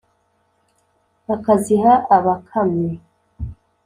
akaziha abakamyi,